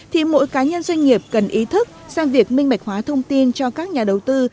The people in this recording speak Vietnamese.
thì mỗi cá nhân doanh nghiệp cần ý thức sang việc minh bạch hóa thông tin cho các nhà đầu tư